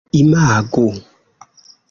imagu